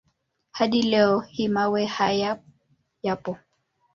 Hadi leo hii mawe hayo yapo.